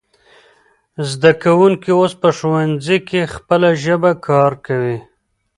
زده کوونکی اوس په ښوونځي کې خپله ژبه کارکوي.